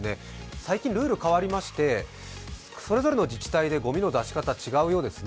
最近、ルールが変わりまして、それぞれの自治体でごみの出し方が違うようですね。